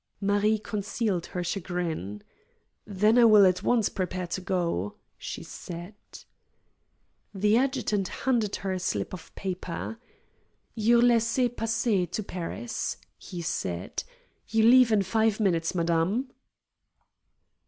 Marie concealed her chagrin. "Then I will at once prepare to go," she said. The adjutant handed her a slip of paper. "Your laisser passer to Paris," he said. "You leave in five minutes, madame!"